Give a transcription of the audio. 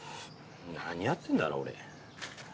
何やってんだろ俺。